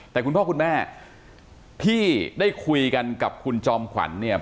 แต่คุณพ่อคุณแม่ที่ได้คุยกันกับคุณจอมขวัญเนี่ย